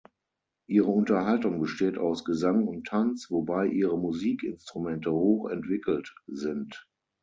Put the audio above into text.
Ihre Unterhaltung besteht aus Gesang und Tanz, wobei ihre Musikinstrumente hoch entwickelt sind.